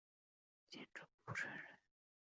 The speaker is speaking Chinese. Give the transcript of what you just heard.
建州浦城人。